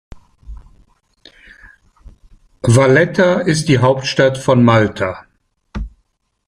Valletta ist die Hauptstadt von Malta.